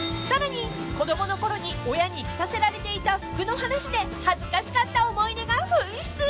［さらに子供のころに親に着させられていた服の話で恥ずかしかった思い出が噴出！］